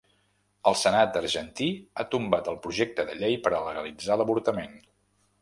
El senat argentí ha tombat el projecte de llei per a legalitzar l’avortament.